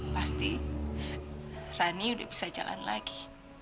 pasti rani udah bisa jalan lagi